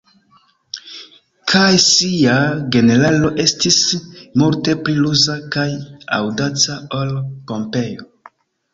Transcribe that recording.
Kaj sia generalo estis multe pli ruza kaj aŭdaca ol Pompejo.